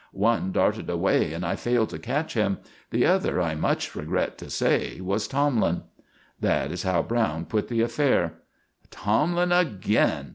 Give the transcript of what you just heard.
One darted away, and I failed to catch him; the other, I much regret to say, was Tomlin." That is how Browne put the affair. "Tomlin again!"